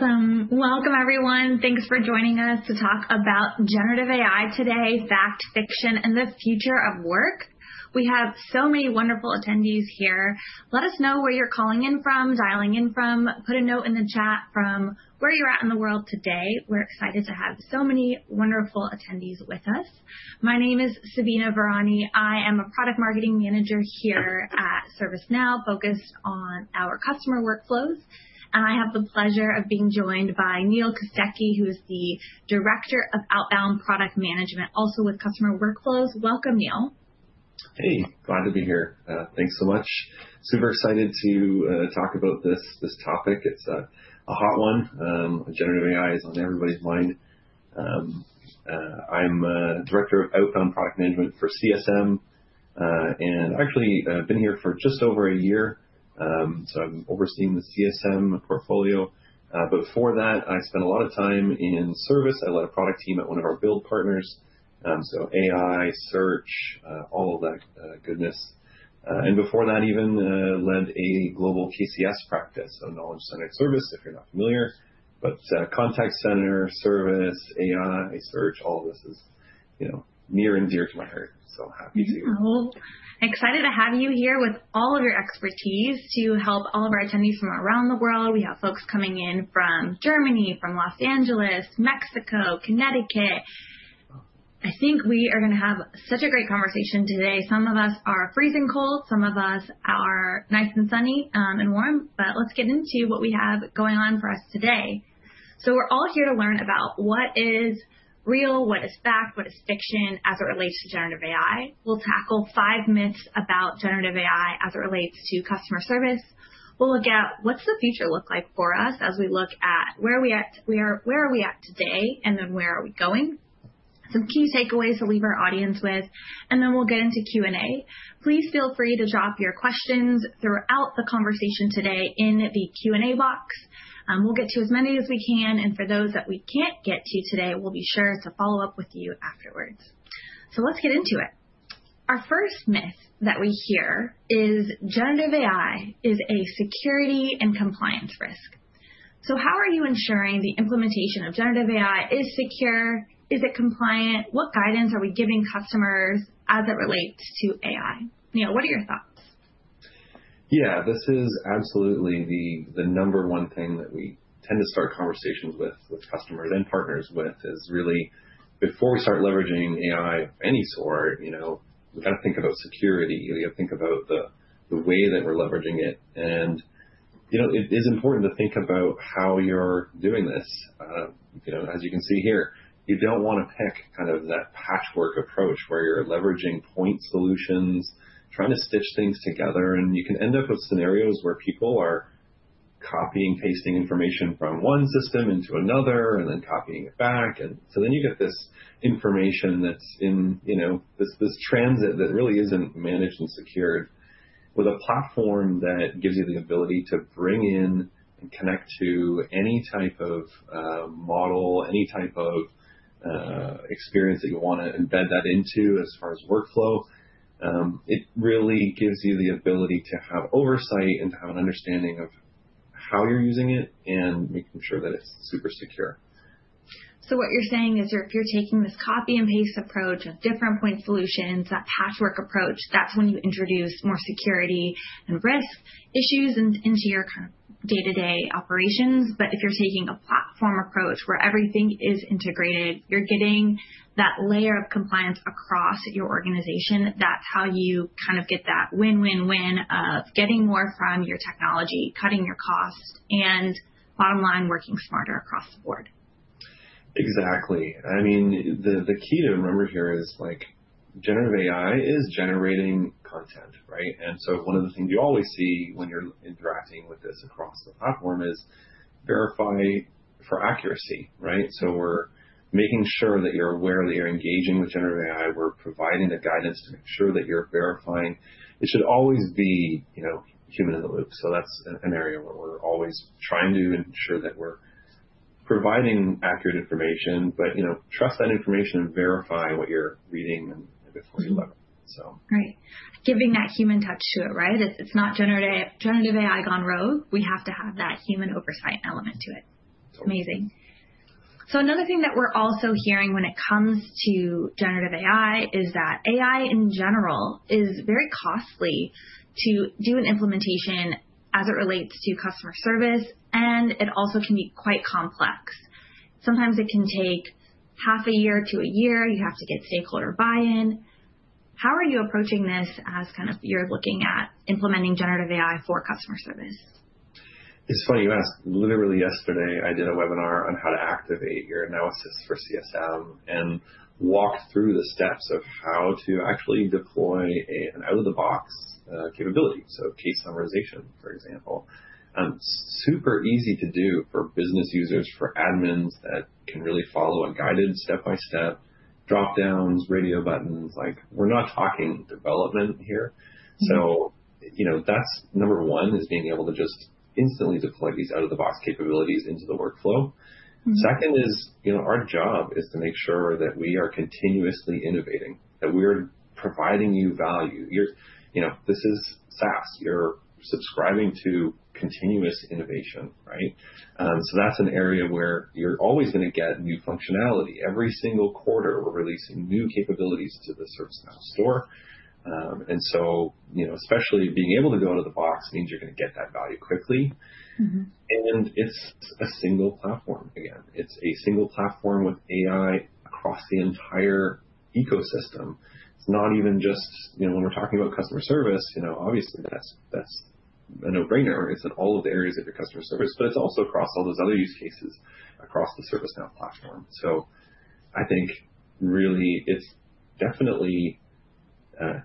Awesome. Welcome, everyone. Thanks for joining us to talk about generative AI today: fact, fiction, and the future of work. We have so many wonderful attendees here. Let us know where you're calling in from, dialing in from. Put a note in the chat from where you're at in the world today. We're excited to have so many wonderful attendees with us. My name is Sabina Varani. I am a product marketing manager here at ServiceNow, focused on our customer workflows, and I have the pleasure of being joined by Neil Kostecki, who is the Director of Outbound Product Management, also with customer workflows. Welcome, Neil. Hey, glad to be here. Thanks so much. Super excited to talk about this topic. It's a hot one. Generative AI is on everybody's mind. I'm Director of outbound product management for CSM. And I've actually been here for just over a year. So I'm overseeing the CSM portfolio. But before that, I spent a lot of time in service. I led a product team at one of our build partners. So AI, search, all of that goodness. And before that even, led a global KCS practice, so Knowledge-Centered Service, if you're not familiar. But contact center, service, AI, search, all of this is near and dear to my heart. So happy to be here. Excited to have you here with all of your expertise to help all of our attendees from around the world. We have folks coming in from Germany, from Los Angeles, Mexico, Connecticut. I think we are going to have such a great conversation today. Some of us are freezing cold. Some of us are nice and sunny and warm, but let's get into what we have going on for us today, so we're all here to learn about what is real, what is fact, what is fiction as it relates to generative AI. We'll tackle five myths about generative AI as it relates to customer service. We'll look at what's the future look like for us as we look at where we are today and then where are we going. Some key takeaways to leave our audience with, and then we'll get into Q&A. Please feel free to drop your questions throughout the conversation today in the Q&A box. We'll get to as many as we can. And for those that we can't get to today, we'll be sure to follow up with you afterwards. So let's get into it. Our first myth that we hear is generative AI is a security and compliance risk. So how are you ensuring the implementation of generative AI is secure? Is it compliant? What guidance are we giving customers as it relates to AI? Neil, what are your thoughts? Yeah, this is absolutely the number one thing that we tend to start conversations with customers and partners with is really, before we start leveraging AI of any sort, we've got to think about security. We've got to think about the way that we're leveraging it. And it is important to think about how you're doing this. As you can see here, you don't want to pick kind of that patchwork approach where you're leveraging point solutions, trying to stitch things together. And you can end up with scenarios where people are copying and pasting information from one system into another and then copying it back. And so then you get this information that's in this transit that really isn't managed and secured with a platform that gives you the ability to bring in and connect to any type of model, any type of experience that you want to embed that into as far as workflow. It really gives you the ability to have oversight and to have an understanding of how you're using it and making sure that it's super secure. So what you're saying is if you're taking this copy and paste approach of different point solutions, that patchwork approach, that's when you introduce more security and risk issues into your kind of day-to-day operations. But if you're taking a platform approach where everything is integrated, you're getting that layer of compliance across your organization. That's how you kind of get that win-win-win of getting more from your technology, cutting your cost, and bottom line, working smarter across the board. Exactly. I mean, the key to remember here is generative AI is generating content. And so one of the things you always see when you're interacting with this across the platform is verify for accuracy. So we're making sure that you're aware that you're engaging with generative AI. We're providing the guidance to make sure that you're verifying. It should always be human in the loop. So that's an area where we're always trying to ensure that we're providing accurate information. But trust that information and verify what you're reading and before you leverage it. Right. Giving that human touch to it, right? It's not generative AI gone rogue. We have to have that human oversight element to it. Totally. Amazing. So another thing that we're also hearing when it comes to generative AI is that AI in general is very costly to do an implementation as it relates to customer service. And it also can be quite complex. Sometimes it can take half a year to a year. You have to get stakeholder buy-in. How are you approaching this as kind of you're looking at implementing generative AI for customer service? It's funny you asked. Literally yesterday, I did a webinar on how to activate your analysis for CSM and walk through the steps of how to actually deploy an out-of-the-box capability. So case summarization, for example. Super easy to do for business users, for admins that can really follow a guided step-by-step dropdowns, radio buttons. We're not talking development here. So that's number one is being able to just instantly deploy these out-of-the-box capabilities into the workflow. Second is our job is to make sure that we are continuously innovating, that we are providing you value. This is SaaS. You're subscribing to continuous innovation. So that's an area where you're always going to get new functionality. Every single quarter, we're releasing new capabilities to the ServiceNow Store. And so especially being able to go out of the box means you're going to get that value quickly. It's a single platform, again. It's a single platform with AI across the entire ecosystem. It's not even just when we're talking about customer service, obviously, that's a no-brainer. It's in all of the areas of your customer service. It's also across all those other use cases across the ServiceNow platform. I think really it's definitely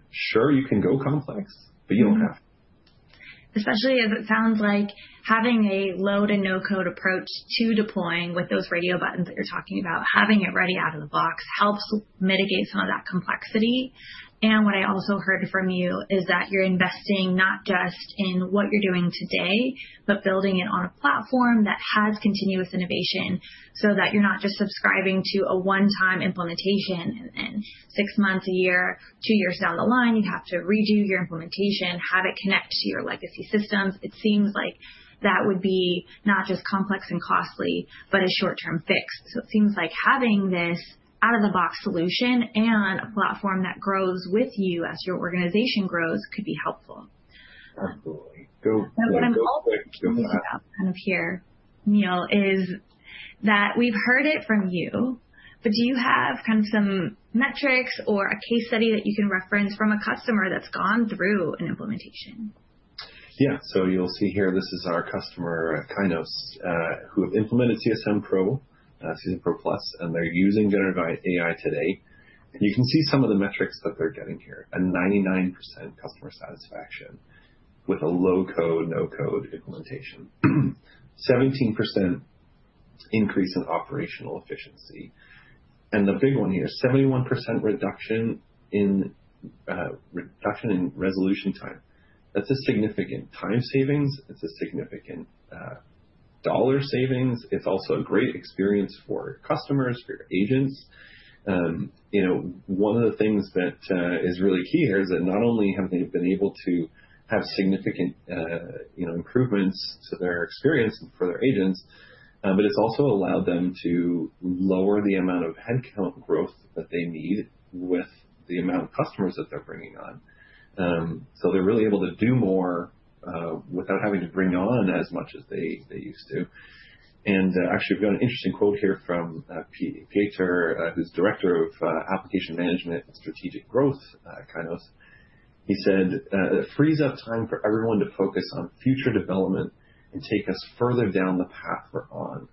sure you can go complex, but you don't have to. Especially as it sounds like having a low-code and no-code approach to deploying with those radio buttons that you're talking about, having it ready out of the box helps mitigate some of that complexity. What I also heard from you is that you're investing not just in what you're doing today, but building it on a platform that has continuous innovation so that you're not just subscribing to a one-time implementation. Then six months, a year, two years down the line, you have to redo your implementation, have it connect to your legacy systems. It seems like that would be not just complex and costly, but a short-term fix. It seems like having this out-of-the-box solution and a platform that grows with you as your organization grows could be helpful. Absolutely. And what I'm also hearing about kind of here, Neil, is that we've heard it from you. But do you have kind of some metrics or a case study that you can reference from a customer that's gone through an implementation? Yeah. So you'll see here, this is our customer Kainos who have implemented CSM Pro, CSM Pro Plus. And they're using generative AI today. And you can see some of the metrics that they're getting here: a 99% customer satisfaction with a low-code, no-code implementation, 17% increase in operational efficiency. And the big one here, 71% reduction in resolution time. That's a significant time savings. It's a significant dollar savings. It's also a great experience for customers, for your agents. One of the things that is really key here is that not only have they been able to have significant improvements to their experience and for their agents, but it's also allowed them to lower the amount of headcount growth that they need with the amount of customers that they're bringing on. So they're really able to do more without having to bring on as much as they used to. Actually, we've got an interesting quote here from Peter Pacher, who's director of application management and strategic growth at Kainos. He said, "It frees up time for everyone to focus on future development and take us further down the path we're on."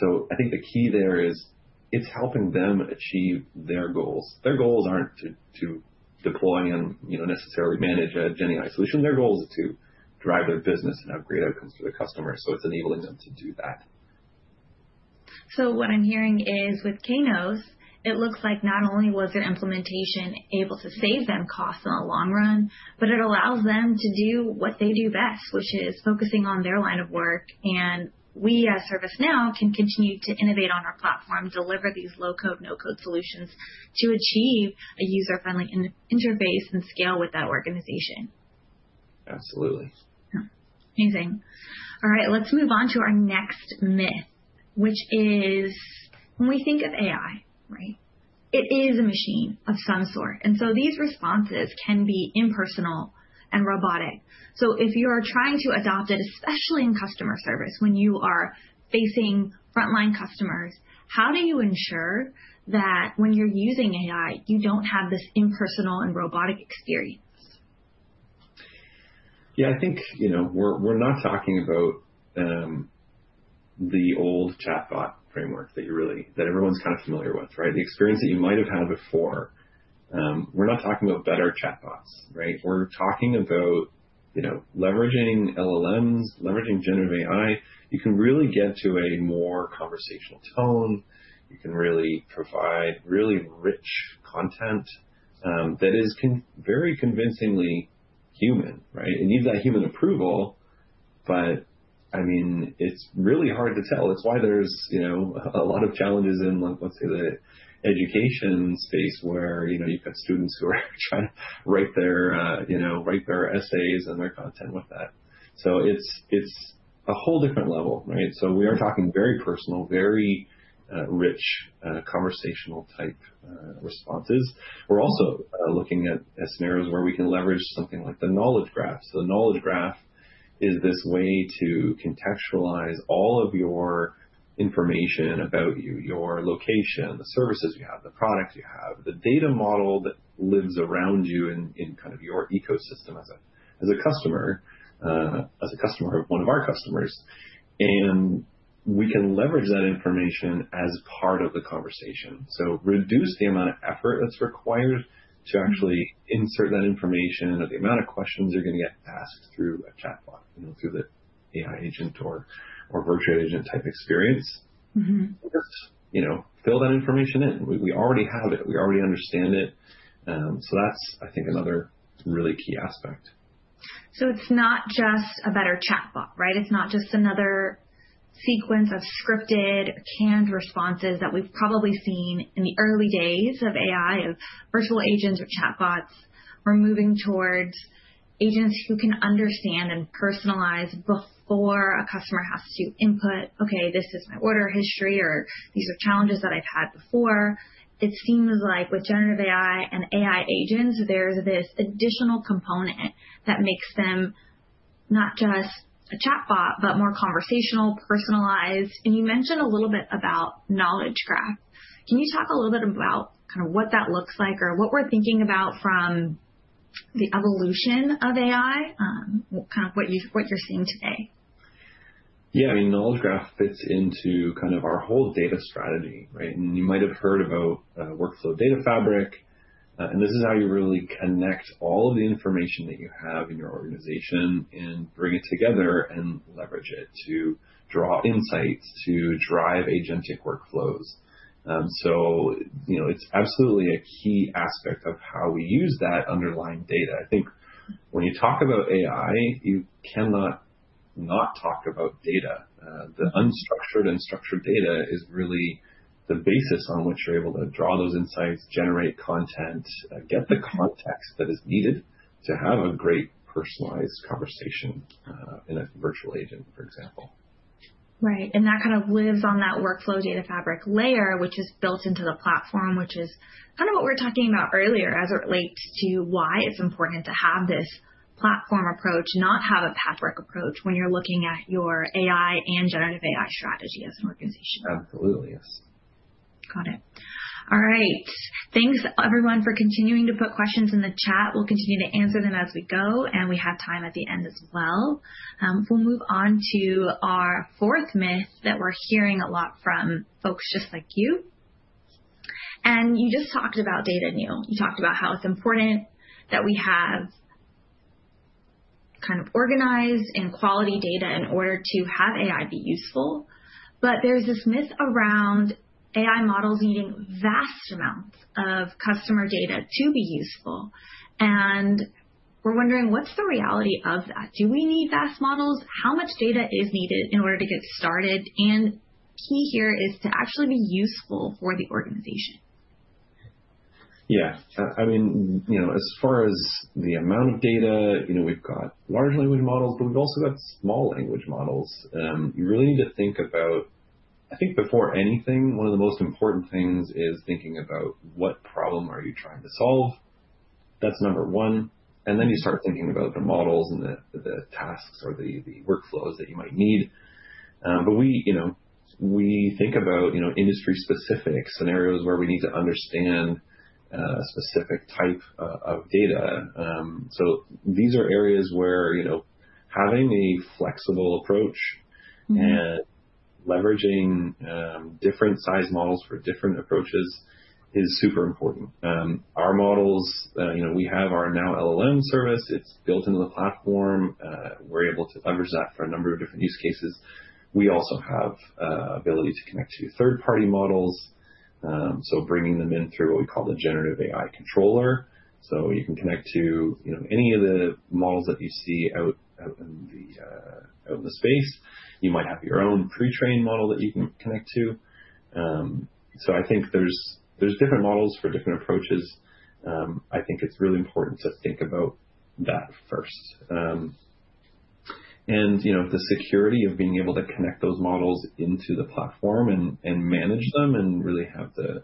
So I think the key there is it's helping them achieve their goals. Their goals aren't to deploy and necessarily manage a GenAI solution. Their goal is to drive their business and have great outcomes for their customers. So it's enabling them to do that. So what I'm hearing is with Kainos, it looks like not only was their implementation able to save them costs in the long run, but it allows them to do what they do best, which is focusing on their line of work. And we at ServiceNow can continue to innovate on our platform, deliver these low-code, no-code solutions to achieve a user-friendly interface and scale with that organization. Absolutely. Amazing. All right, let's move on to our next myth, which is when we think of AI, it is a machine of some sort. And so these responses can be impersonal and robotic. So if you are trying to adopt it, especially in customer service when you are facing frontline customers, how do you ensure that when you're using AI, you don't have this impersonal and robotic experience? Yeah, I think we're not talking about the old chatbot framework that everyone's kind of familiar with, the experience that you might have had before. We're not talking about better chatbots. We're talking about leveraging LLMs, leveraging generative AI. You can really get to a more conversational tone. You can really provide really rich content that is very convincingly human. It needs that human approval. But I mean, it's really hard to tell. It's why there's a lot of challenges in, let's say, the education space where you've got students who are trying to write their essays and their content with that. So it's a whole different level. So we are talking very personal, very rich conversational type responses. We're also looking at scenarios where we can leverage something like the knowledge graph. So the knowledge graph is this way to contextualize all of your information about you, your location, the services you have, the product you have, the data model that lives around you in kind of your ecosystem as a customer, as a customer of one of our customers. And we can leverage that information as part of the conversation. So reduce the amount of effort that's required to actually insert that information or the amount of questions you're going to get asked through a chatbot, through the AI agent or virtual agent type experience. Just fill that information in. We already have it. We already understand it. So that's, I think, another really key aspect. So it's not just a better chatbot. It's not just another sequence of scripted or canned responses that we've probably seen in the early days of AI, of virtual agents or chatbots. We're moving towards agents who can understand and personalize before a customer has to input, "OK, this is my order history," or, "These are challenges that I've had before." It seems like with generative AI and AI agents, there's this additional component that makes them not just a chatbot, but more conversational, personalized. And you mentioned a little bit about knowledge graph. Can you talk a little bit about kind of what that looks like or what we're thinking about from the evolution of AI, kind of what you're seeing today? Yeah, I mean, Knowledge Graph fits into kind of our whole data strategy. And you might have heard about Workflow Data Fabric. And this is how you really connect all of the information that you have in your organization and bring it together and leverage it to draw insights, to drive agentic workflows. So it's absolutely a key aspect of how we use that underlying data. I think when you talk about AI, you cannot not talk about data. The unstructured and structured data is really the basis on which you're able to draw those insights, generate content, get the context that is needed to have a great personalized conversation in a virtual agent, for example. Right. And that kind of lives on that Workflow Data Fabric layer, which is built into the platform, which is kind of what we were talking about earlier as it relates to why it's important to have this platform approach, not have a patchwork approach when you're looking at your AI and Generative AI strategy as an organization. Absolutely, yes. Got it. All right. Thanks, everyone, for continuing to put questions in the chat. We'll continue to answer them as we go, and we have time at the end as well. We'll move on to our fourth myth that we're hearing a lot from folks just like you, and you just talked about data Neil. You talked about how it's important that we have kind of organized and quality data in order to have AI be useful, but there's this myth around AI models needing vast amounts of customer data to be useful, and we're wondering, what's the reality of that? Do we need vast models? How much data is needed in order to get started, and key here is to actually be useful for the organization. Yeah. I mean, as far as the amount of data, we've got large language models, but we've also got small language models. You really need to think about, I think, before anything, one of the most important things is thinking about what problem are you trying to solve. That's number one. And then you start thinking about the models and the tasks or the workflows that you might need. But we think about industry-specific scenarios where we need to understand a specific type of data. So these are areas where having a flexible approach and leveraging different size models for different approaches is super important. Our models, we have our Now LLM service. It's built into the platform. We're able to leverage that for a number of different use cases. We also have the ability to connect to third-party models. So bringing them in through what we call the Generative AI Controller. So you can connect to any of the models that you see out in the space. You might have your own pre-trained model that you can connect to. So I think there's different models for different approaches. I think it's really important to think about that first. And the security of being able to connect those models into the platform and manage them and really have the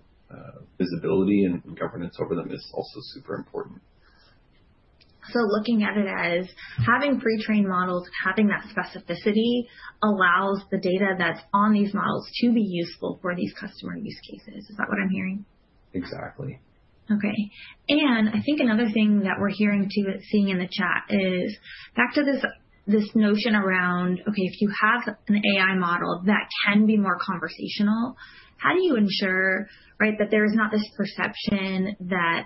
visibility and governance over them is also super important. So looking at it as having pre-trained models, having that specificity allows the data that's on these models to be useful for these customer use cases. Is that what I'm hearing? Exactly. OK. And I think another thing that we're hearing too, seeing in the chat, is back to this notion around, OK, if you have an AI model that can be more conversational, how do you ensure that there is not this perception that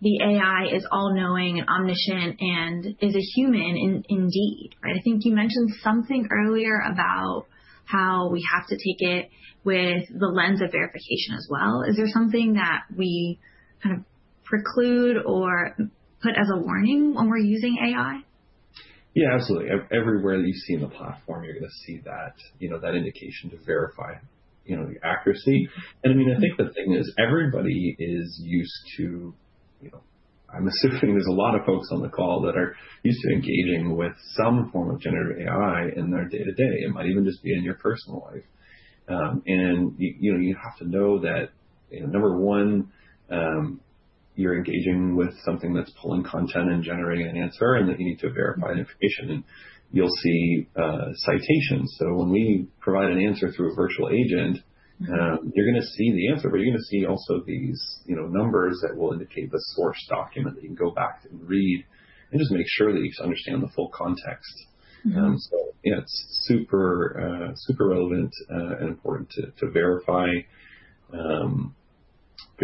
the AI is all-knowing and omniscient and is a human indeed? I think you mentioned something earlier about how we have to take it with the lens of verification as well. Is there something that we kind of preclude or put as a warning when we're using AI? Yeah, absolutely. Everywhere that you see in the platform, you're going to see that indication to verify the accuracy. And I mean, I think the thing is everybody is used to, I'm assuming there's a lot of folks on the call that are used to engaging with some form of generative AI in their day-to-day. It might even just be in your personal life. And you have to know that, number one, you're engaging with something that's pulling content and generating an answer and that you need to verify the information. And you'll see citations. So when we provide an answer through a virtual agent, you're going to see the answer, but you're going to see also these numbers that will indicate the source document that you can go back and read and just make sure that you understand the full context. So yeah, it's super relevant and important to verify. But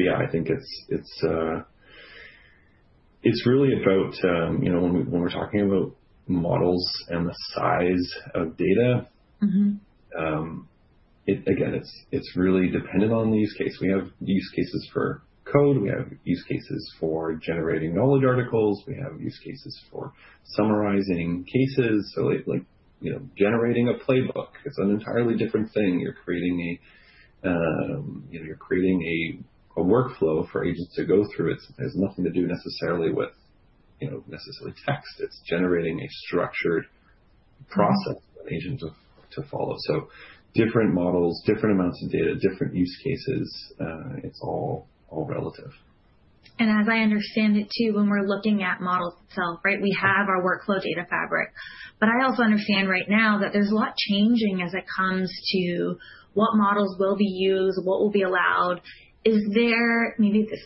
yeah, I think it's really about when we're talking about models and the size of data, again, it's really dependent on the use case. We have use cases for code. We have use cases for generating knowledge articles. We have use cases for summarizing cases. So generating a playbook, it's an entirely different thing. You're creating a workflow for agents to go through. It has nothing to do necessarily with text. It's generating a structured process for an agent to follow. So different models, different amounts of data, different use cases. It's all relative. As I understand it too, when we're looking at models itself, we have our Workflow Data Fabric. I also understand right now that there's a lot changing as it comes to what models will be used, what will be allowed. Maybe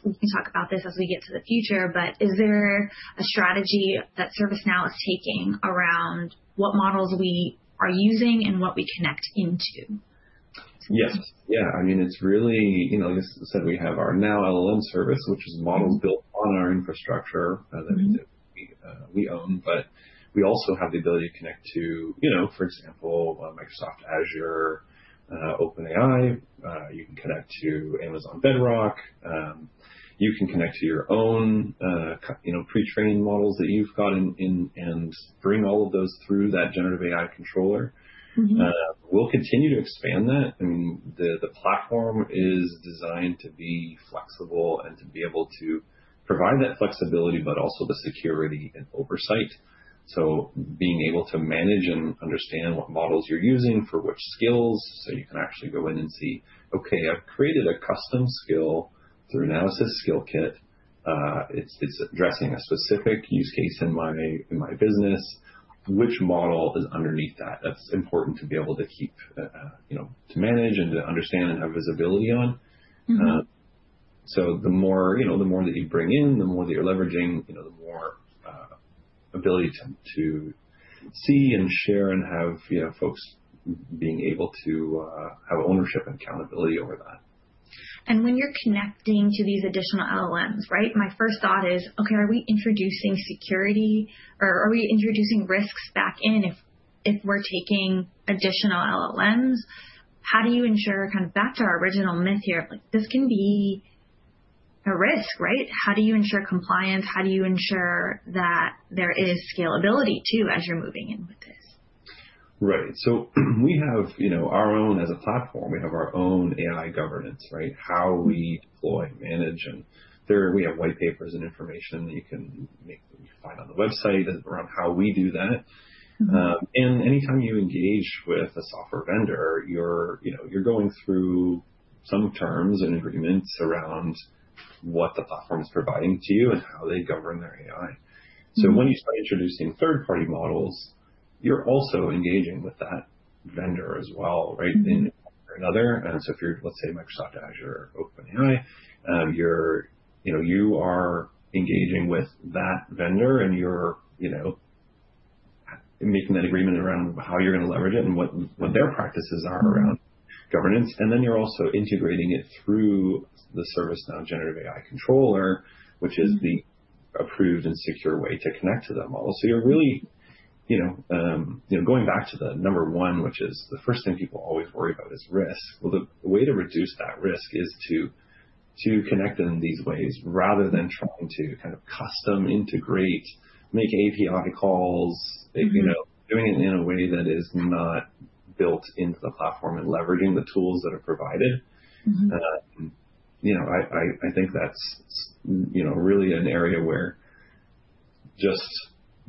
we can talk about this as we get to the future, but is there a strategy that ServiceNow is taking around what models we are using and what we connect into? Yes. Yeah, I mean, it's really, like I said, we have our Now LLM service, which is models built on our infrastructure that we own. But we also have the ability to connect to, for example, Microsoft Azure, OpenAI. You can connect to Amazon Bedrock. You can connect to your own pre-trained models that you've got and bring all of those through that Generative AI Controller. We'll continue to expand that. I mean, the platform is designed to be flexible and to be able to provide that flexibility, but also the security and oversight. So being able to manage and understand what models you're using for which skills. So you can actually go in and see, OK, I've created a custom skill through Now Assist Skill Kit. It's addressing a specific use case in my business. Which model is underneath that? That's important to be able to keep, to manage and to understand and have visibility on. So the more that you bring in, the more that you're leveraging, the more ability to see and share and have folks being able to have ownership and accountability over that. When you're connecting to these additional LLMs, my first thought is, OK, are we introducing security or are we introducing risks back in if we're taking additional LLMs? How do you ensure kind of back to our original myth here of this can be a risk? How do you ensure compliance? How do you ensure that there is scalability too as you're moving in with this? Right, so we have our own as a platform. We have our own AI Governance, how we deploy, manage, and we have white papers and information that you can find on the website around how we do that. Anytime you engage with a software vendor, you're going through some terms and agreements around what the platform is providing to you and how they govern their AI. So when you start introducing third-party models, you're also engaging with that vendor as well in one way or another. If you're, let's say, Microsoft Azure or OpenAI, you are engaging with that vendor and you're making that agreement around how you're going to leverage it and what their practices are around governance. Then you're also integrating it through the ServiceNow Generative AI Controller, which is the approved and secure way to connect to that model. So you're really going back to the number one, which is the first thing people always worry about is risk. Well, the way to reduce that risk is to connect in these ways rather than trying to kind of custom integrate, make API calls, doing it in a way that is not built into the platform and leveraging the tools that are provided. I think that's really an area where just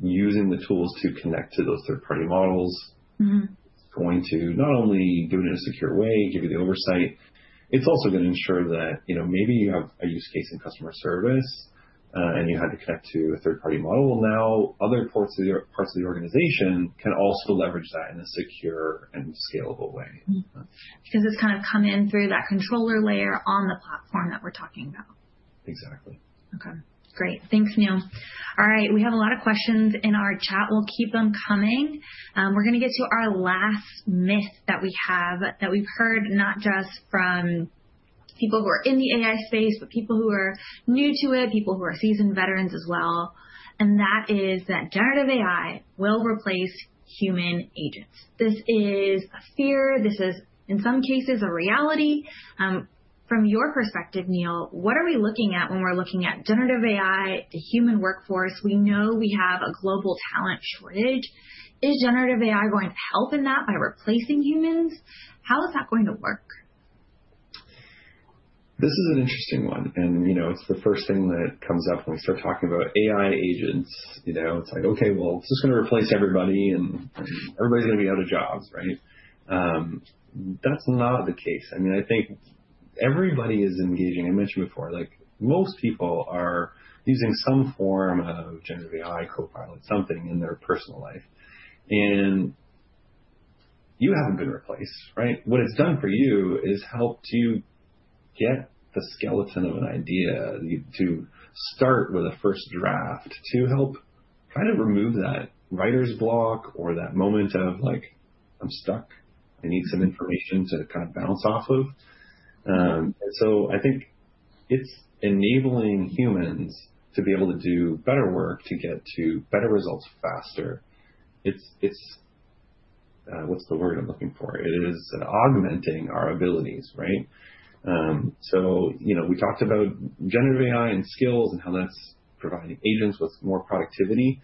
using the tools to connect to those third-party models is going to not only do it in a secure way, give you the oversight, it's also going to ensure that maybe you have a use case in customer service and you had to connect to a third-party model. Now, other parts of the organization can also leverage that in a secure and scalable way. Because it's kind of come in through that controller layer on the platform that we're talking about. Exactly. OK, great. Thanks, Neil. All right, we have a lot of questions in our chat. We'll keep them coming. We're going to get to our last myth that we have that we've heard not just from people who are in the AI space, but people who are new to it, people who are seasoned veterans as well. And that is that generative AI will replace human agents. This is a fear. This is, in some cases, a reality. From your perspective, Neil, what are we looking at when we're looking at generative AI, the human workforce? We know we have a global talent shortage. Is generative AI going to help in that by replacing humans? How is that going to work? This is an interesting one. And it's the first thing that comes up when we start talking about AI agents. It's like, OK, well, it's just going to replace everybody and everybody's going to be out of jobs. That's not the case. I mean, I think everybody is engaging. I mentioned before, most people are using some form of generative AI, Copilot, something in their personal life. And you haven't been replaced. What it's done for you is helped you get the skeleton of an idea to start with a first draft to help kind of remove that writer's block or that moment of like, I'm stuck. I need some information to kind of bounce off of. And so I think it's enabling humans to be able to do better work, to get to better results faster. It's what's the word I'm looking for? It is augmenting our abilities. We talked about generative AI and skills and how that's providing agents with more productivity.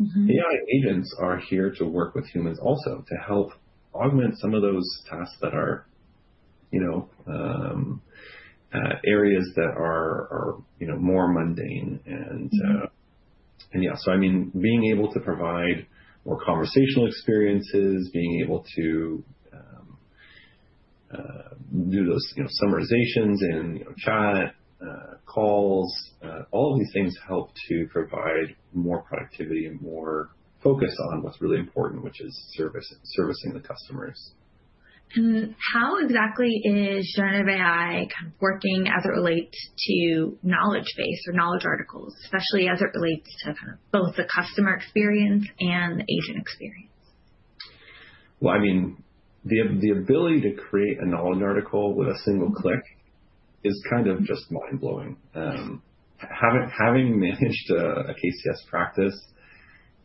AI agents are here to work with humans also to help augment some of those tasks that are areas that are more mundane. I mean, being able to provide more conversational experiences, being able to do those summarizations in chat, calls, all of these things help to provide more productivity and more focus on what's really important, which is servicing the customers. How exactly is generative AI kind of working as it relates to knowledge base or knowledge articles, especially as it relates to kind of both the customer experience and the agent experience? Well, I mean, the ability to create a knowledge article with a single click is kind of just mind-blowing. Having managed a KCS practice,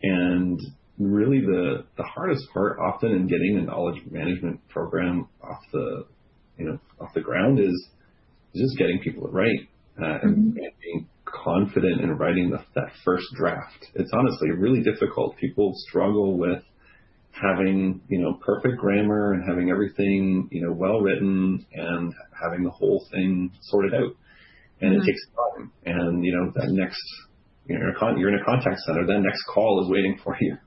and really the hardest part often in getting a knowledge management program off the ground is just getting people to write and being confident in writing that first draft. It's honestly really difficult. People struggle with having perfect grammar and having everything well-written and having the whole thing sorted out. And it takes time. And you're in a contact center. That next call is waiting for you.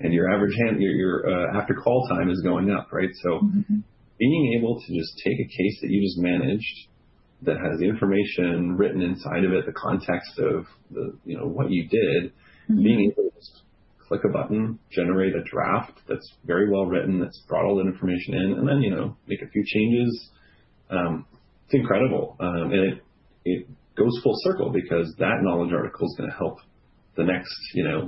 And your after-call time is going up. Being able to just take a case that you just managed that has the information written inside of it, the context of what you did, being able to just click a button, generate a draft that's very well-written, that's brought all the information in, and then make a few changes, it's incredible. It goes full circle because that knowledge article is going to help the next,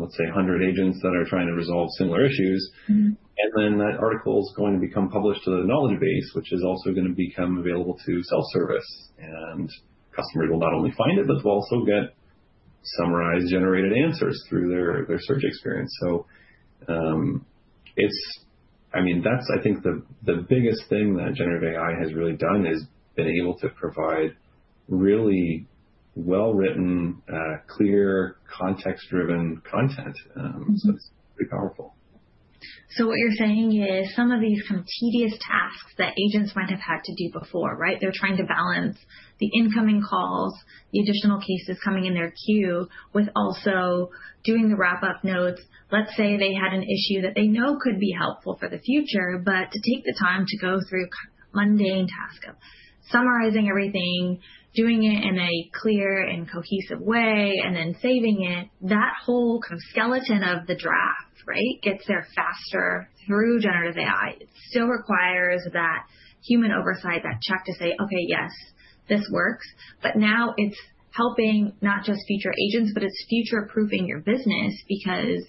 let's say, 100 agents that are trying to resolve similar issues. Then that article is going to become published to the knowledge base, which is also going to become available to self-service. Customers will not only find it, but they'll also get summarized generated answers through their search experience. I mean, that's, I think, the biggest thing that generative AI has really done is been able to provide really well-written, clear, context-driven content. It's pretty powerful. So what you're saying is some of these kind of tedious tasks that agents might have had to do before, they're trying to balance the incoming calls, the additional cases coming in their queue with also doing the wrap-up notes. Let's say they had an issue that they know could be helpful for the future, but to take the time to go through a mundane task of summarizing everything, doing it in a clear and cohesive way, and then saving it, that whole kind of skeleton of the draft gets there faster through generative AI. It still requires that human oversight, that check to say, OK, yes, this works. But now it's helping not just future agents, but it's future-proofing your business because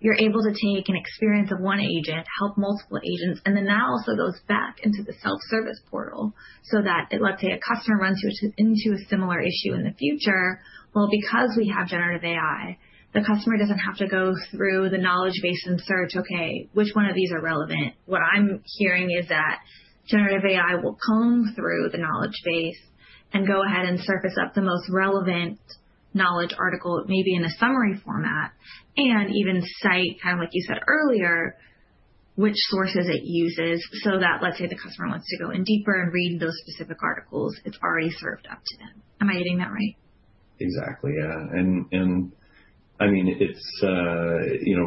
you're able to take an experience of one agent, help multiple agents. And then that also goes back into the self-service portal so that, let's say, a customer runs into a similar issue in the future. Well, because we have generative AI, the customer doesn't have to go through the knowledge base and search, OK, which one of these are relevant? What I'm hearing is that generative AI will comb through the knowledge base and go ahead and surface up the most relevant knowledge article, maybe in a summary format, and even cite, kind of like you said earlier, which sources it uses so that, let's say, the customer wants to go in deeper and read those specific articles. It's already served up to them. Am I getting that right? Exactly. Yeah. And I mean,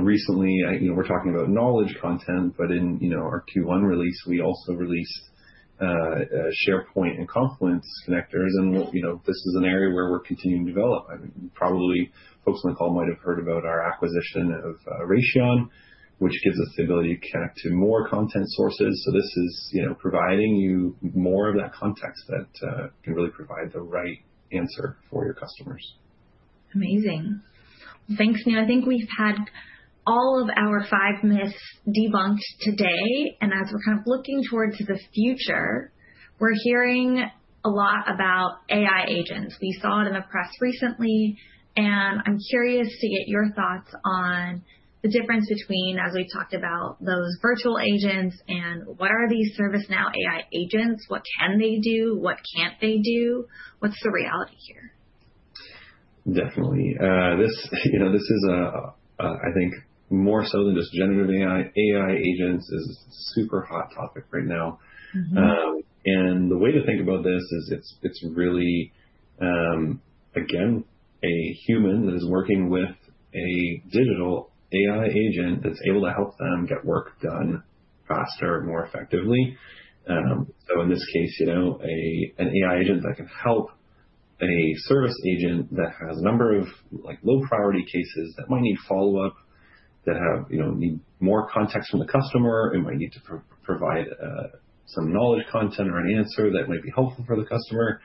recently, we're talking about knowledge content. But in our Q1 release, we also released SharePoint and Confluence connectors. And this is an area where we're continuing to develop. Probably folks on the call might have heard about our acquisition of Raytion, which gives us the ability to connect to more content sources. So this is providing you more of that context that can really provide the right answer for your customers. Amazing. Well, thanks, Neil. I think we've had all of our five myths debunked today. And as we're kind of looking towards the future, we're hearing a lot about AI agents. We saw it in the press recently. And I'm curious to get your thoughts on the difference between, as we've talked about, those virtual agents and what are these ServiceNow AI agents? What can they do? What can't they do? What's the reality here? Definitely. This is, I think, more so than just generative AI. AI agents is a super hot topic right now, and the way to think about this is it's really, again, a human that is working with a digital AI agent that's able to help them get work done faster and more effectively, so in this case, an AI agent that can help a service agent that has a number of low-priority cases that might need follow-up, that need more context from the customer. It might need to provide some knowledge content or an answer that might be helpful for the customer,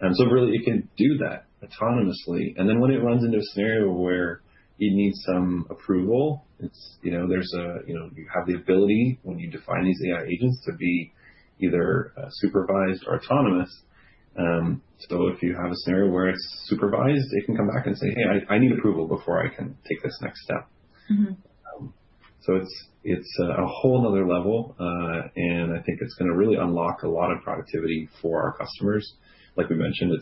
and so really, it can do that autonomously, and then when it runs into a scenario where it needs some approval, there's a you have the ability, when you define these AI agents, to be either supervised or autonomous. So if you have a scenario where it's supervised, it can come back and say, hey, I need approval before I can take this next step. So it's a whole nother level. And I think it's going to really unlock a lot of productivity for our customers. Like we mentioned,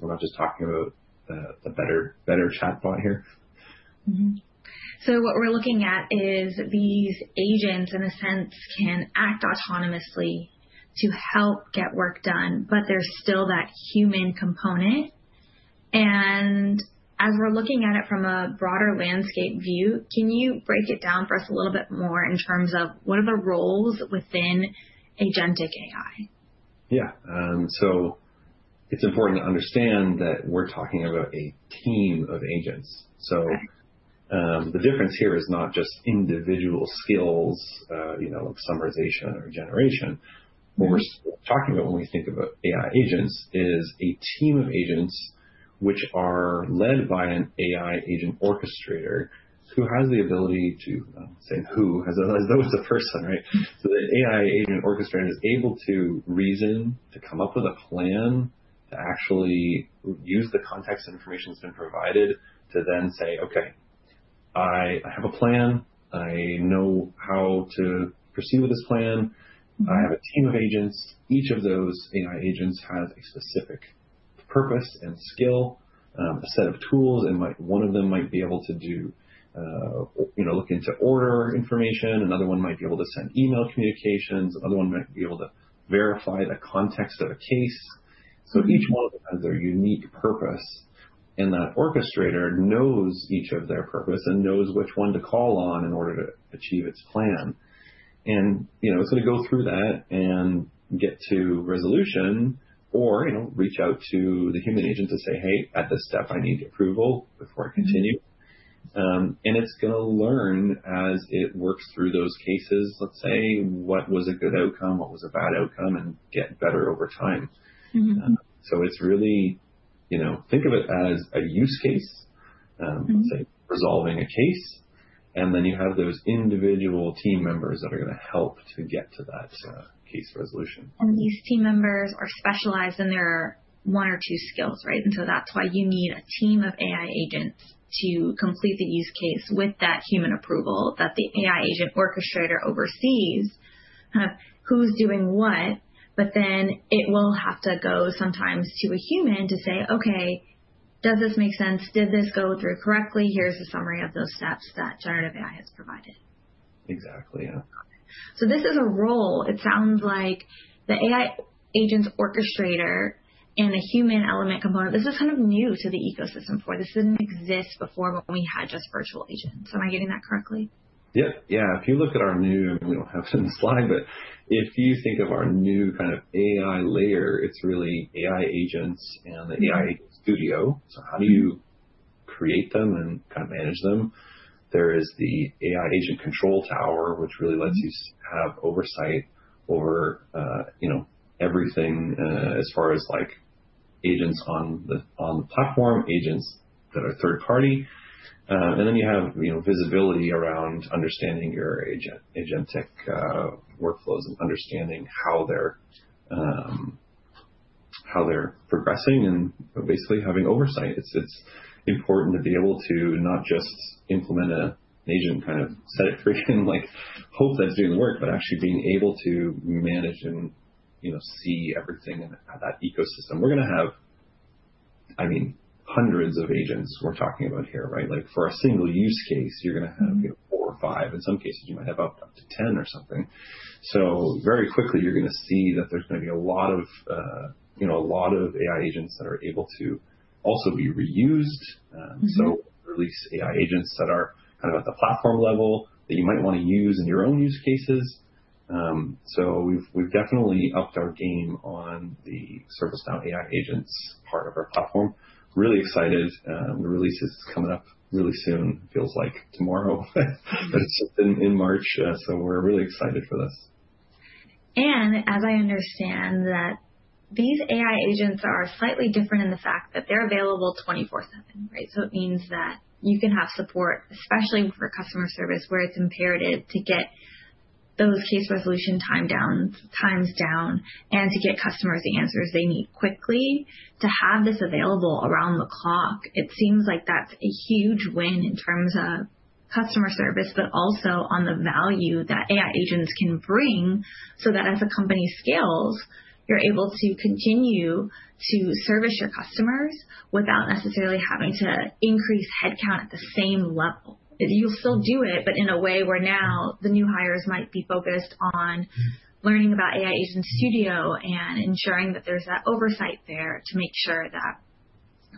we're not just talking about the better chatbot here. So what we're looking at is these agents, in a sense, can act autonomously to help get work done, but there's still that human component. And as we're looking at it from a broader landscape view, can you break it down for us a little bit more in terms of what are the roles within agentic AI? Yeah, so it's important to understand that we're talking about a team of agents, so the difference here is not just individual skills like summarization or generation. What we're talking about when we think about AI agents is a team of agents which are led by an AI Agent Orchestrator who has the ability to say who as though it's a person, so the AI Agent Orchestrator is able to reason, to come up with a plan, to actually use the context and information that's been provided to then say, OK, I have a plan. I know how to proceed with this plan. I have a team of agents. Each of those AI agents has a specific purpose and skill, a set of tools, and one of them might be able to look into order information. Another one might be able to send email communications. Another one might be able to verify the context of a case. So each one of them has their unique purpose. And that orchestrator knows each of their purposes and knows which one to call on in order to achieve its plan. And it's going to go through that and get to resolution or reach out to the human agent to say, hey, at this step, I need approval before I continue. And it's going to learn as it works through those cases, let's say, what was a good outcome, what was a bad outcome, and get better over time. So it's really think of it as a use case, let's say, resolving a case. And then you have those individual team members that are going to help to get to that case resolution. These team members are specialized in their one or two skills. So that's why you need a team of AI agents to complete the use case with that human approval that the AI agent orchestrator oversees kind of who's doing what. Then it will have to go sometimes to a human to say, OK, does this make sense? Did this go through correctly? Here's a summary of those steps that generative AI has provided. Exactly. Yeah. So this is a role, it sounds like, the AI Agent Orchestrator and the human element component. This is kind of new to the ecosystem for. This didn't exist before when we had just virtual agents. Am I getting that correctly? Yep. Yeah. If you look at our new and we don't have it in the slide, but if you think of our new kind of AI layer, it's really AI agents and the AI Agent Studio. So how do you create them and kind of manage them? There is the AI Agent Control Tower, which really lets you have oversight over everything as far as agents on the platform, agents that are third party, and then you have visibility around understanding your agentic workflows and understanding how they're progressing and basically having oversight. It's important to be able to not just implement an agent, kind of set it free and hope that it's doing the work, but actually being able to manage and see everything in that ecosystem. We're going to have, I mean, hundreds of agents we're talking about here. For a single use case, you're going to have four or five. In some cases, you might have up to 10 or something. So very quickly, you're going to see that there's going to be a lot of AI agents that are able to also be reused. So reusable AI agents that are kind of at the platform level that you might want to use in your own use cases. So we've definitely upped our game on the ServiceNow AI agents part of our platform. Really excited. The release is coming up really soon. It feels like tomorrow, but it's just in March. So we're really excited for this. As I understand that, these AI agents are slightly different in the fact that they're available 24/7. So it means that you can have support, especially for customer service where it's imperative to get those case resolution times down and to get customers the answers they need quickly. To have this available around the clock, it seems like that's a huge win in terms of customer service, but also on the value that AI agents can bring so that as a company scales, you're able to continue to service your customers without necessarily having to increase headcount at the same level. You'll still do it, but in a way where now the new hires might be focused on learning about AI Agent Studio and ensuring that there's that oversight there to make sure that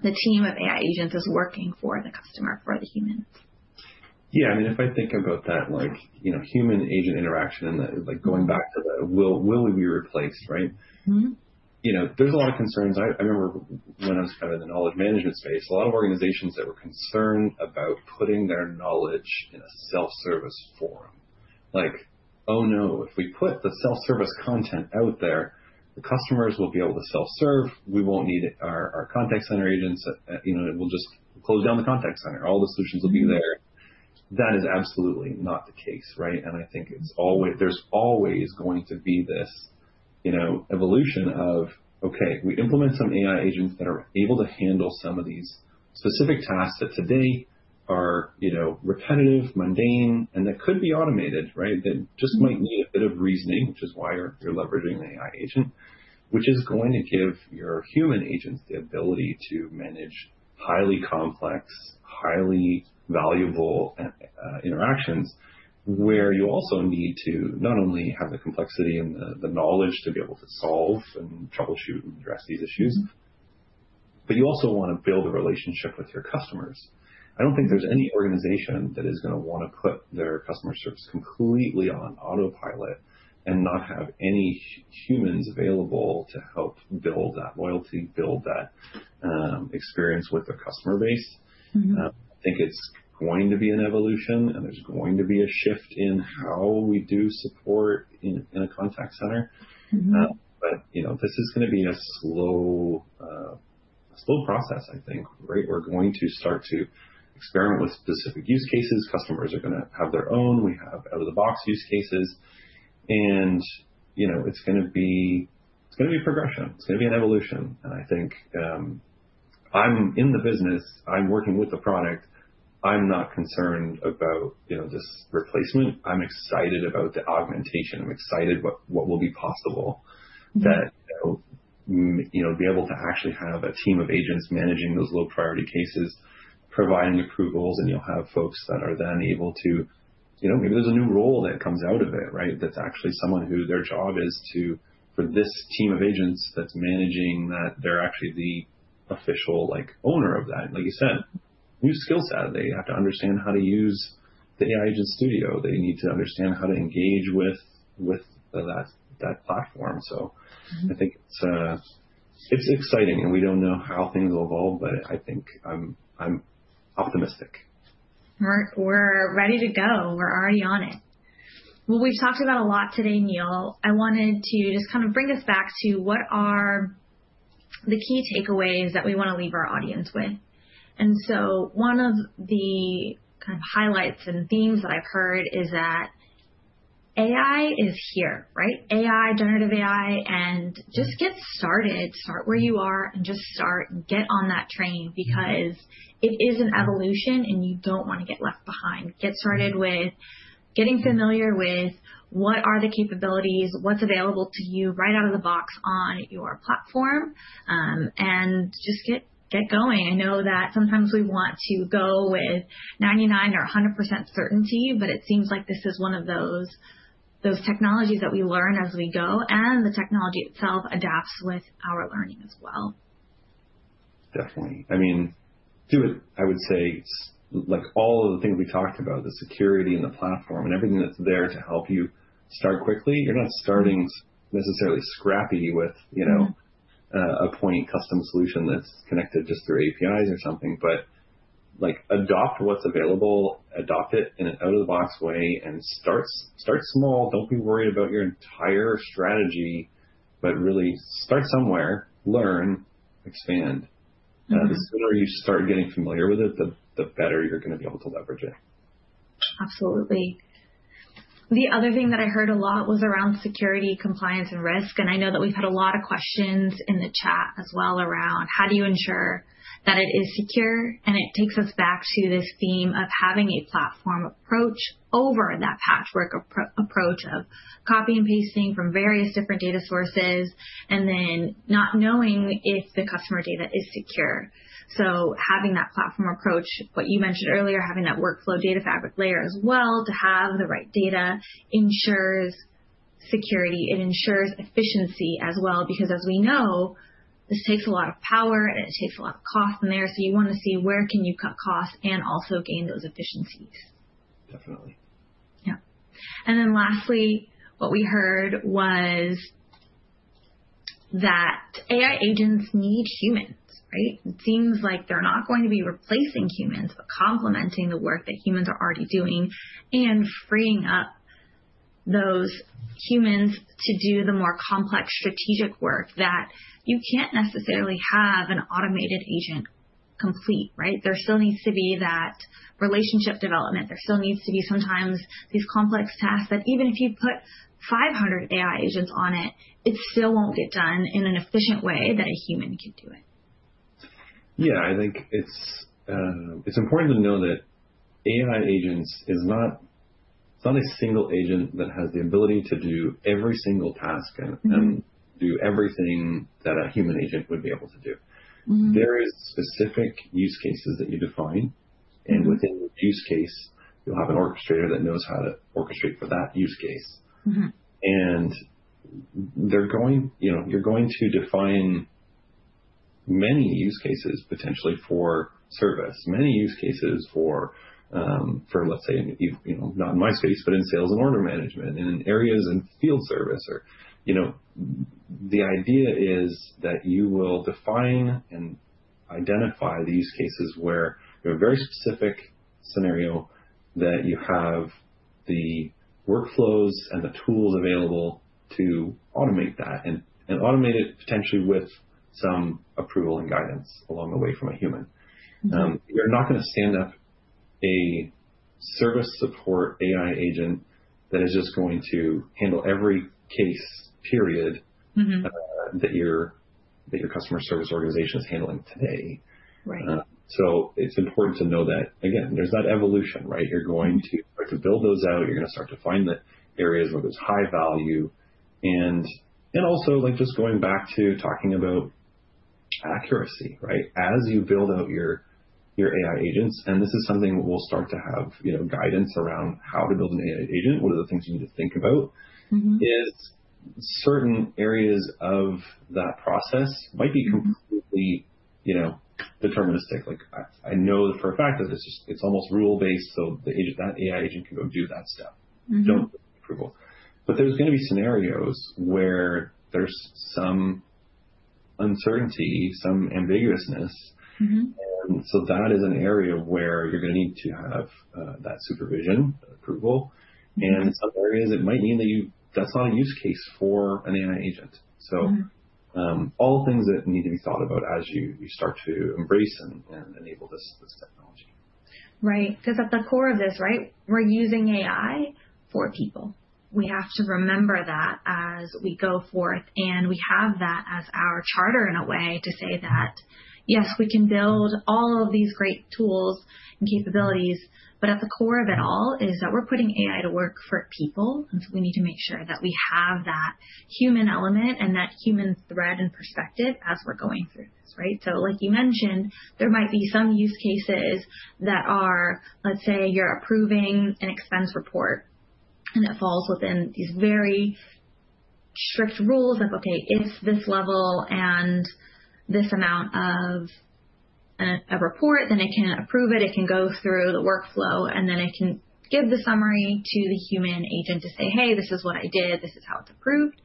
the team of AI agents is working for the customer, for the humans. Yeah. I mean, if I think about that human-agent interaction and going back to the will we be replaced, there's a lot of concerns. I remember when I was kind of in the knowledge management space, a lot of organizations that were concerned about putting their knowledge in a self-service forum. Like, oh no, if we put the self-service content out there, the customers will be able to self-serve. We won't need our contact center agents. We'll just close down the contact center. All the solutions will be there. That is absolutely not the case. I think there's always going to be this evolution of, OK, we implement some AI agents that are able to handle some of these specific tasks that today are repetitive, mundane, and that could be automated, that just might need a bit of reasoning, which is why you're leveraging an AI agent, which is going to give your human agents the ability to manage highly complex, highly valuable interactions where you also need to not only have the complexity and the knowledge to be able to solve and troubleshoot and address these issues, but you also want to build a relationship with your customers. I don't think there's any organization that is going to want to put their customer service completely on autopilot and not have any humans available to help build that loyalty, build that experience with their customer base. I think it's going to be an evolution, and there's going to be a shift in how we do support in a contact center. But this is going to be a slow process, I think. We're going to start to experiment with specific use cases. Customers are going to have their own. We have out-of-the-box use cases. And it's going to be progression. It's going to be an evolution. And I think I'm in the business. I'm working with the product. I'm not concerned about this replacement. I'm excited about the augmentation. I'm excited about what will be possible to be able to actually have a team of agents managing those low-priority cases, providing approvals. You'll have folks that are then able to maybe there's a new role that comes out of it that's actually someone who their job is to for this team of agents that's managing that, they're actually the official owner of that. Like you said, new skill set. They have to understand how to use the AI Agent Studio. They need to understand how to engage with that platform, so I think it's exciting, and we don't know how things will evolve, but I think I'm optimistic. We're ready to go. We're already on it. Well, we've talked about a lot today, Neil. I wanted to just kind of bring us back to what are the key takeaways that we want to leave our audience with. And so one of the kind of highlights and themes that I've heard is that AI is here. AI, generative AI, and just get started. Start where you are and just start. Get on that train because it is an evolution, and you don't want to get left behind. Get started with getting familiar with what are the capabilities, what's available to you right out of the box on your platform, and just get going. I know that sometimes we want to go with 99% or 100% certainty, but it seems like this is one of those technologies that we learn as we go. The technology itself adapts with our learning as well. Definitely. I mean, do it, I would say, like all of the things we talked about, the security and the platform and everything that's there to help you start quickly. You're not starting necessarily scrappy with a point custom solution that's connected just through APIs or something, but adopt what's available, adopt it in an out-of-the-box way, and start small. Don't be worried about your entire strategy, but really start somewhere, learn, expand. The sooner you start getting familiar with it, the better you're going to be able to leverage it. Absolutely. The other thing that I heard a lot was around security, compliance, and risk. And I know that we've had a lot of questions in the chat as well around how do you ensure that it is secure? And it takes us back to this theme of having a platform approach over that patchwork approach of copy and pasting from various different data sources and then not knowing if the customer data is secure. So having that platform approach, what you mentioned earlier, having that Workflow Data Fabric layer as well to have the right data ensures security. It ensures efficiency as well because, as we know, this takes a lot of power, and it takes a lot of cost in there. So you want to see where can you cut costs and also gain those efficiencies. Definitely. Yeah. And then lastly, what we heard was that AI agents need humans. It seems like they're not going to be replacing humans but complementing the work that humans are already doing and freeing up those humans to do the more complex strategic work that you can't necessarily have an automated agent complete. There still needs to be that relationship development. There still needs to be sometimes these complex tasks that even if you put 500 AI agents on it, it still won't get done in an efficient way that a human can do it. Yeah. I think it's important to know that AI agents is not a single agent that has the ability to do every single task and do everything that a human agent would be able to do. There are specific use cases that you define. And within each case, you'll have an orchestrator that knows how to orchestrate for that use case. And you're going to define many use cases potentially for service, many use cases for, let's say, not in my space, but in sales and order management and in areas in field service. The idea is that you will define and identify these cases where you have a very specific scenario that you have the workflows and the tools available to automate that and automate it potentially with some approval and guidance along the way from a human. You're not going to stand up a service support AI agent that is just going to handle every case, period, that your customer service organization is handling today. So it's important to know that, again, there's that evolution. You're going to start to build those out. You're going to start to find the areas where there's high value. And also, just going back to talking about accuracy. As you build out your AI agents, and this is something we'll start to have guidance around how to build an AI agent, what are the things you need to think about, is certain areas of that process might be completely deterministic. I know for a fact that it's almost rule-based, so that AI agent can go do that stuff. Don't approval. But there's going to be scenarios where there's some uncertainty, some ambiguousness. That is an area where you're going to need to have that supervision approval. In some areas, it might mean that that's not a use case for an AI agent. All things that need to be thought about as you start to embrace and enable this technology. Right. Because at the core of this, we're using AI for people. We have to remember that as we go forth. And we have that as our charter in a way to say that, yes, we can build all of these great tools and capabilities, but at the core of it all is that we're putting AI to work for people. And so we need to make sure that we have that human element and that human thread and perspective as we're going through this. So like you mentioned, there might be some use cases that are, let's say, you're approving an expense report, and it falls within these very strict rules of, OK, it's this level and this amount of a report, then it can approve it. It can go through the workflow, and then it can give the summary to the human agent to say, hey, this is what I did. This is how it's approved,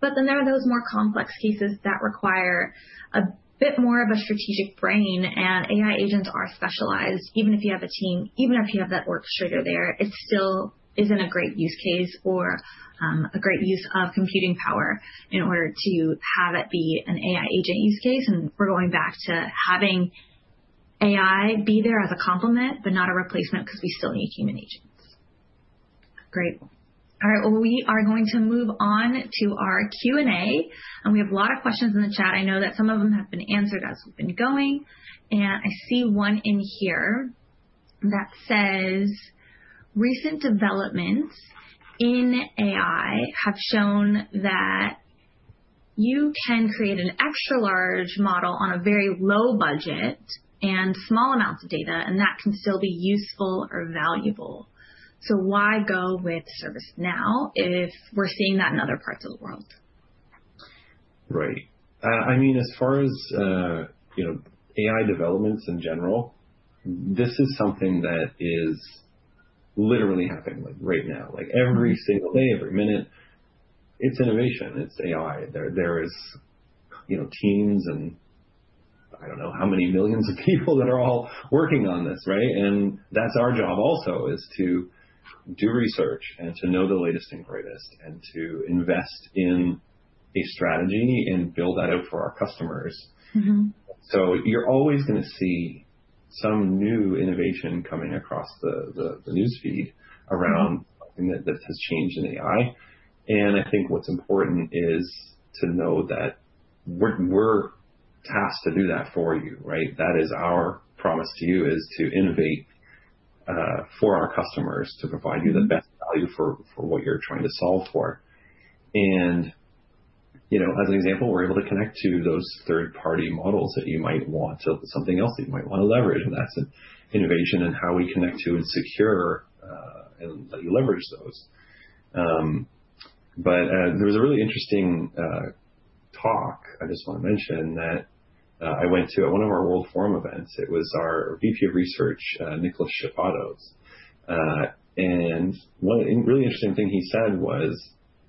but then there are those more complex cases that require a bit more of a strategic brain, and AI agents are specialized. Even if you have a team, even if you have that orchestrator there, it still isn't a great use case or a great use of computing power in order to have it be an AI agent use case, and we're going back to having AI be there as a complement, but not a replacement because we still need human agents. Great. All right, well, we are going to move on to our Q&A, and we have a lot of questions in the chat. I know that some of them have been answered as we've been going. And I see one in here that says, recent developments in AI have shown that you can create an extra-large model on a very low budget and small amounts of data, and that can still be useful or valuable. So why go with ServiceNow if we're seeing that in other parts of the world? Right. I mean, as far as AI developments in general, this is something that is literally happening right now. Every single day, every minute, it's innovation. It's AI. There are teams and I don't know how many millions of people that are all working on this. And that's our job also is to do research and to know the latest and greatest and to invest in a strategy and build that out for our customers. So you're always going to see some new innovation coming across the newsfeed around something that has changed in AI. And I think what's important is to know that we're tasked to do that for you. That is our promise to you is to innovate for our customers to provide you the best value for what you're trying to solve for. And as an example, we're able to connect to those third-party models that you might want to leverage. And that's an innovation in how we connect to and secure and let you leverage those. But there was a really interesting talk I just want to mention that I went to at one of our World Forum events. It was our VP of Research, Nicolas Chapados. And one really interesting thing he said was,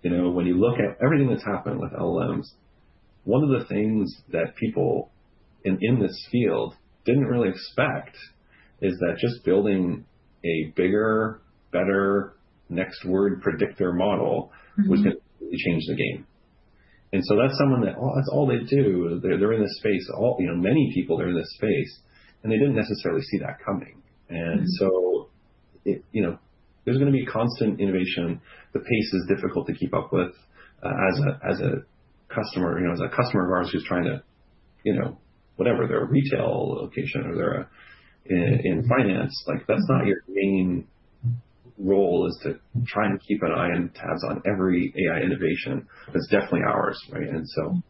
when you look at everything that's happened with LLMs, one of the things that people in this field didn't really expect is that just building a bigger, better next word predictor model was going to change the game. And so that's someone that, oh, that's all they do. They're in this space. Many people are in this space. And they didn't necessarily see that coming. So there's going to be constant innovation. The pace is difficult to keep up with as a customer. As a customer of ours who's trying to whatever, they're a retail location or they're in finance, that's not your main role is to try and keep an eye and tabs on every AI innovation. That's definitely ours. So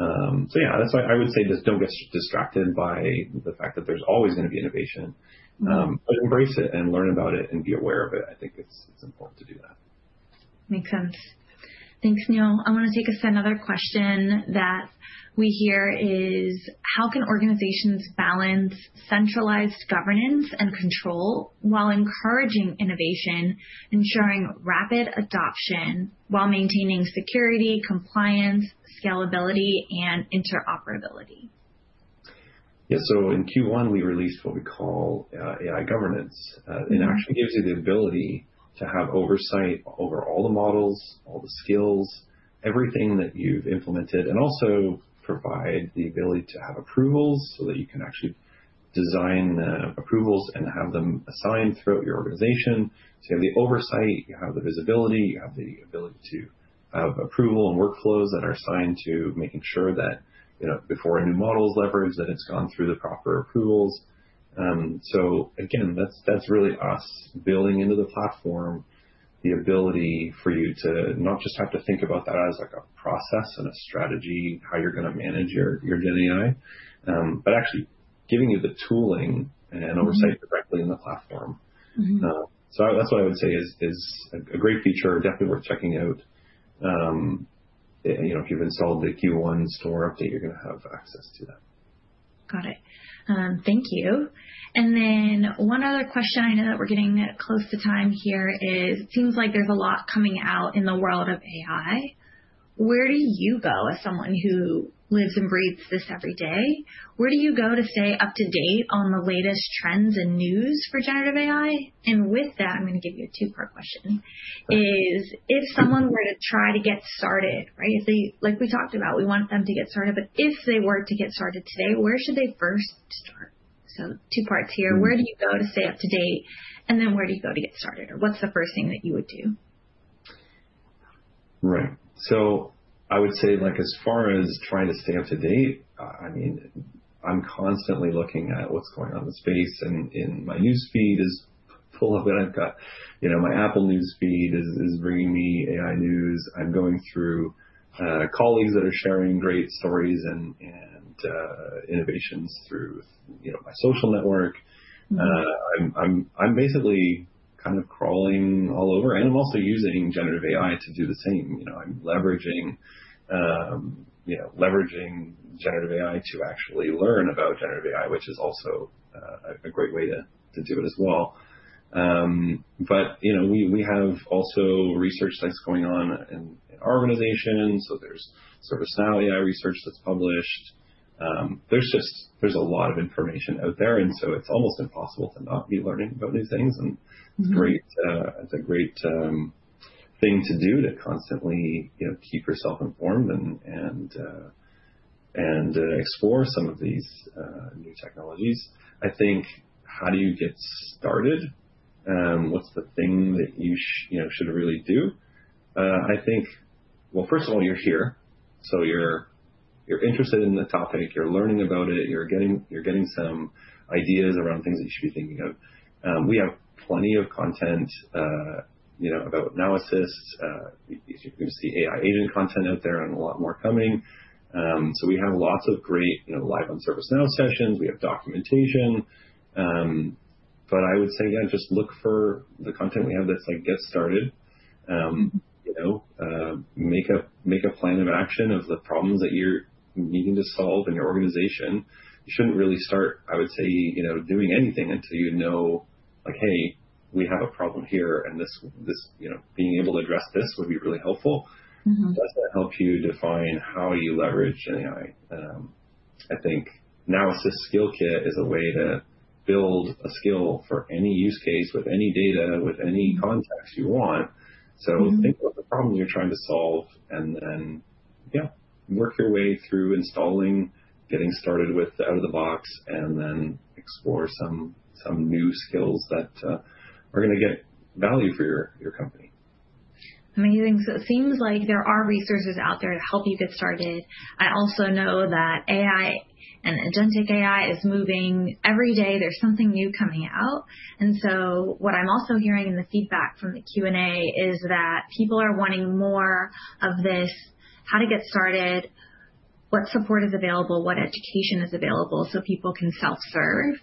yeah, that's why I would say just don't get distracted by the fact that there's always going to be innovation. Embrace it and learn about it and be aware of it. I think it's important to do that. Makes sense. Thanks, Neil. I want to take us to another question that we hear is, how can organizations balance centralized governance and control while encouraging innovation, ensuring rapid adoption while maintaining security, compliance, scalability, and interoperability? Yeah. So in Q1, we released what we call AI governance. It actually gives you the ability to have oversight over all the models, all the skills, everything that you've implemented, and also provide the ability to have approvals so that you can actually design the approvals and have them assigned throughout your organization. So you have the oversight. You have the visibility. You have the ability to have approval and workflows that are assigned to making sure that before a new model is leveraged, that it's gone through the proper approvals. So again, that's really us building into the platform the ability for you to not just have to think about that as a process and a strategy, how you're going to manage your GenAI, but actually giving you the tooling and oversight directly in the platform. So that's what I would say is a great feature, definitely worth checking out. If you've installed the Q1 store update, you're going to have access to that. Got it. Thank you. And then one other question. I know that we're getting close to time here, as it seems like there's a lot coming out in the world of AI. Where do you go as someone who lives and breathes this every day? Where do you go to stay up to date on the latest trends and news for generative AI? And with that, I'm going to give you a two-part question, is, if someone were to try to get started, like we talked about, we want them to get started, but if they were to get started today, where should they first start? So two parts here. Where do you go to stay up to date? And then where do you go to get started? Or what's the first thing that you would do? Right. So I would say as far as trying to stay up to date, I mean, I'm constantly looking at what's going on in the space. And my newsfeed is full of it. I've got my Apple News feed is bringing me AI news. I'm going through colleagues that are sharing great stories and innovations through my social network. I'm basically kind of crawling all over. And I'm also using generative AI to do the same. I'm leveraging generative AI to actually learn about generative AI, which is also a great way to do it as well. But we have also research that's going on in our organization. So there's ServiceNow AI research that's published. There's a lot of information out there. And so it's almost impossible to not be learning about new things. It's a great thing to do to constantly keep yourself informed and explore some of these new technologies. I think how do you get started? What's the thing that you should really do? I think, well, first of all, you're here. So you're interested in the topic. You're learning about it. You're getting some ideas around things that you should be thinking of. We have plenty of content about Now Assist. You're going to see AI agent content out there and a lot more coming. So we have lots of great Live on ServiceNow sessions. We have documentation. But I would say, yeah, just look for the content we have that's like get started. Make a plan of action of the problems that you're needing to solve in your organization. You shouldn't really start, I would say, doing anything until you know, hey, we have a problem here. Being able to address this would be really helpful. It does help you define how you leverage AI. I think Now Assist Skill Kit is a way to build a skill for any use case with any data with any context you want. Think about the problem you're trying to solve and then work your way through installing, getting started with out of the box, and then explore some new skills that are going to get value for your company. Amazing. So it seems like there are resources out there to help you get started. I also know that AI and agentic AI is moving every day. There's something new coming out, and so what I'm also hearing in the feedback from the Q&A is that people are wanting more of this, how to get started, what support is available, what education is available so people can self-serve,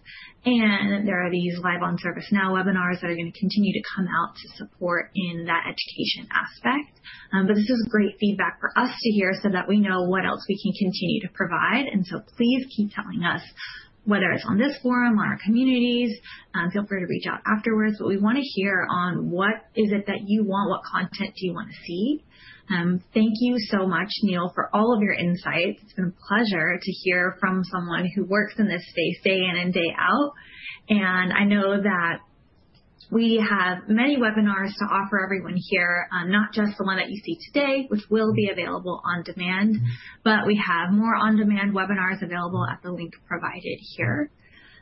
and there are these live on ServiceNow webinars that are going to continue to come out to support in that education aspect, but this is great feedback for us to hear so that we know what else we can continue to provide, and so please keep telling us whether it's on this forum, on our communities. Feel free to reach out afterwards, but we want to hear on what is it that you want? What content do you want to see? Thank you so much, Neil, for all of your insights. It's been a pleasure to hear from someone who works in this space day in and day out. I know that we have many webinars to offer everyone here, not just the one that you see today, which will be available on demand, but we have more on-demand webinars available at the link provided here.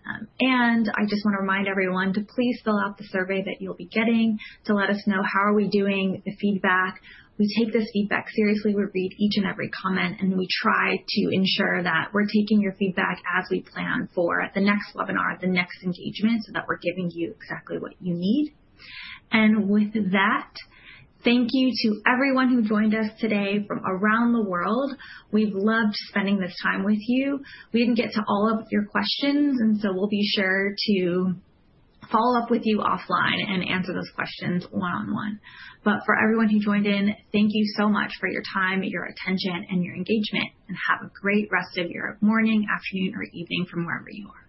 I just want to remind everyone to please fill out the survey that you'll be getting to let us know how we are doing, the feedback. We take this feedback seriously. We read each and every comment. We try to ensure that we're taking your feedback as we plan for the next webinar, the next engagement, so that we're giving you exactly what you need. With that, thank you to everyone who joined us today from around the world. We've loved spending this time with you. We didn't get to all of your questions, and so we'll be sure to follow up with you offline and answer those questions one-on-one, but for everyone who joined in, thank you so much for your time, your attention, and your engagement, and have a great rest of your morning, afternoon, or evening from wherever you are.